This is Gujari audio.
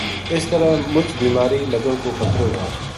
اس طرح مچ بیماری لگن کو خطرو وھے“